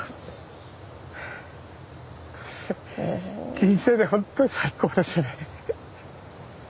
人生でほんとに最高ですよね。